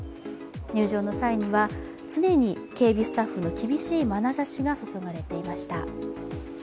入場の際には常に警備スタッフの厳しいまなざしが注がれていました。